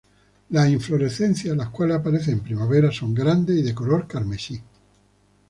Las inflorescencias, las cuales aparecen en primavera son grandes y de color carmesí.